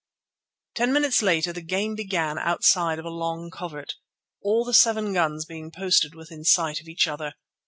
Ten minutes later the game began outside of a long covert, all the seven guns being posted within sight of each other.